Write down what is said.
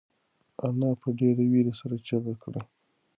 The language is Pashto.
انا په ډېرې وېرې سره چیغه کړه.